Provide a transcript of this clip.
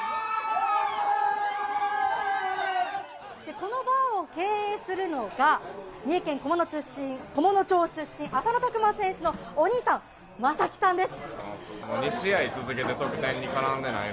このバーを経営するのが三重県菰野町出身浅野拓磨選手のお兄さん将輝さんです。